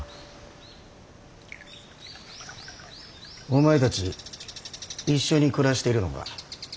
お前たち一緒に暮らしているのか。